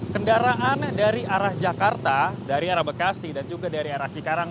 kendaraan dari arah jakarta dari arah bekasi dan juga dari arah cikarang